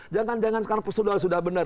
jangan jangan sekarang sudah benar